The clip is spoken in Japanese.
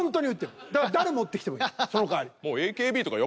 だから誰持ってきてもいいそのかわり。